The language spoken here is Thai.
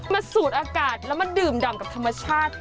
สูดอากาศแล้วมาดื่มดำกับธรรมชาติ